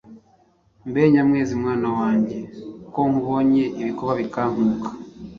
Mbe Nyamwezi mwana wange ko nkubonye ibikoba bikankuka